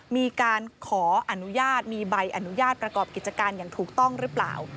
มีการขออนุญาตมีใบอนุญาตประกอบกิจการอย่างถูกต้องหรือเปล่า